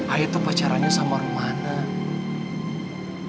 ayah tuh pacaranya sama rumana